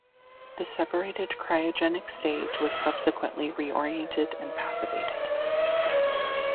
The separated cryogenic stage was subsequently reoriented and passivated.